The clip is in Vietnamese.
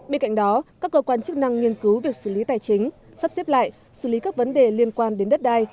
bên cạnh đó các cơ quan chức năng nghiên cứu việc xử lý tài chính sắp xếp lại xử lý các vấn đề liên quan đến đất đai